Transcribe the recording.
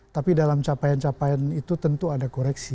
tapi dalam capaian capaian itu tentu ada koreksi